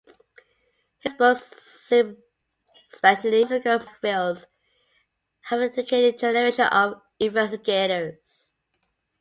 His books, especially "Cosmical Magnetic Fields", have educated generations of investigators.